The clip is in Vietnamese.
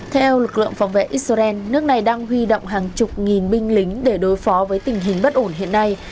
theo lực lượng phòng vệ israel nước này đang huy động hàng chục nghìn binh lính để đối phó với tình hình bất ổn hiện nay